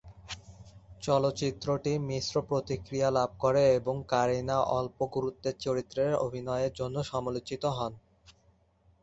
চলচ্চিত্রটি মিশ্র প্রতিক্রিয়া লাভ করে এবং কারিনা অল্প গুরুত্বের চরিত্রে অভিনয়ের জন্য সমালোচিত হন।